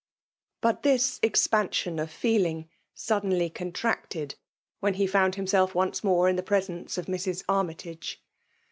But this expansion of feeling suddenly con tracted when he found himself once more in presence of Mrs. Armytage.